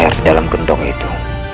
air di dalam gentong itu